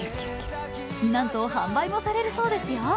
なんと、販売もされるそうですよ